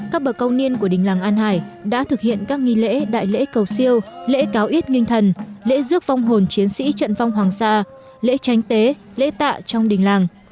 các bậc công niên của đình làng an hải đã thực hiện các nghi lễ đại lễ cầu siêu lễ cáo ít nghinh thần lễ rước vong hồn chiến sĩ trận phong hoàng sa lễ tránh tế lễ tạ trong đình làng